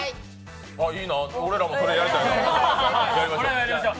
いいなー、俺らもそれやりたいなー。